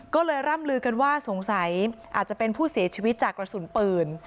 ก็เลยร่ำลือกันว่าสงสัยอาจจะเป็นผู้เสียชีวิตจากกระสุนปืน